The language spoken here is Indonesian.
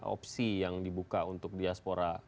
opsi yang dibuka untuk diaspora